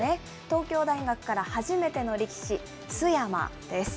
東京大学から初めての力士、須山です。